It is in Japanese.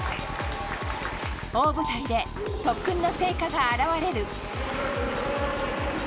大舞台で特訓の成果が表れる。